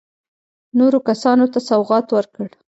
نورو کسانو ته سوغات ورکړ.